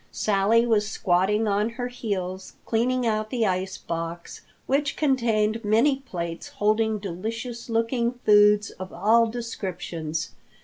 Sally was squatting on her heels, cleaning out the ice box, which contained many plates holding delicious looking foods of all descriptions.